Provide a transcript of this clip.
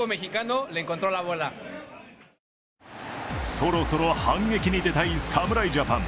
そろそろ反撃に出たい侍ジャパン。